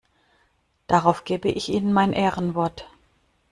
Darauf gebe ich Ihnen mein Ehrenwort!